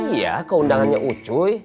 iya keundangannya ucuy